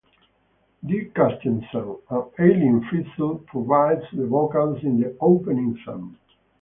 Dee Carstensen and Eileen Frizzell provided the vocals in the opening theme.